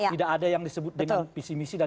tidak ada yang disebut dengan pc misi